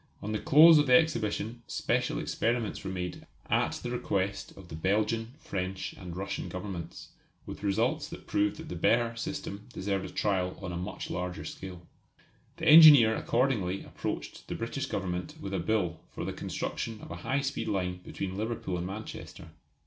On the close of the Exhibition special experiments were made at the request of the Belgian, French, and Russian Governments, with results that proved that the Behr system deserved a trial on a much larger scale. The engineer accordingly approached the British Government with a Bill for the construction of a high speed line between Liverpool and Manchester.